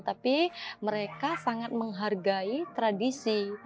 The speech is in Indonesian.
tapi mereka sangat menghargai tradisi